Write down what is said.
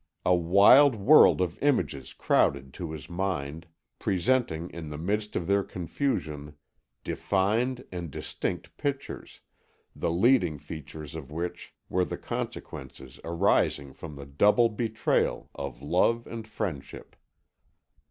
A wild whirl of images crowded to his mind, presenting in the midst of their confusion defined and distinct pictures, the leading features of which were the consequences arising from the double betrayal of love and friendship.